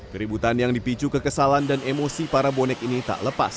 keributan yang dipicu kekesalan dan emosi para bonek ini tak lepas